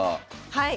はい。